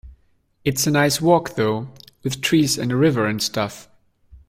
It's a nice walk though, with trees and a river and stuff.